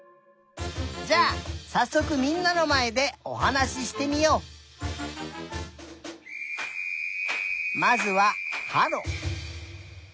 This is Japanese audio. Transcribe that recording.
じゃあさっそくみんなのまえでおはなししてみよう。まずははろ。